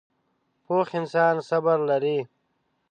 پوخ انسان صبر لري